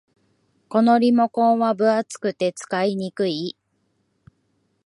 このリモコンは分厚くて使いにくい